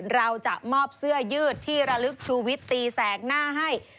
เราจะมอบเสื้อยืดที่ระลึกชูวิตตีแสกหน้าให้